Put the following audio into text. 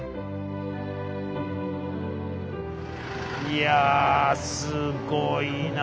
いやすごいな。